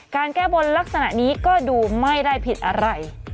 แก้บนลักษณะนี้ก็ดูไม่ได้ผิดอะไร